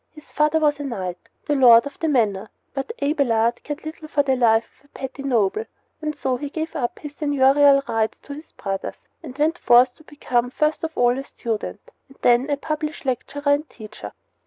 His father was a knight, the lord of the manor; but Abelard cared little for the life of a petty noble; and so he gave up his seigniorial rights to his brothers and went forth to become, first of all a student, and then a public lecturer and teacher.